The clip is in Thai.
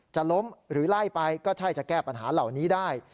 จะล้มหรือไล่ไปก็ใช่จะแก้ปัญหาเหล่านี้ได้